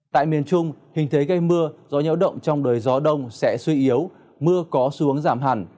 tại miền trung hình thế gây mưa gió nhẫu động trong đời gió đông sẽ suy yếu mưa có xuống giảm hẳn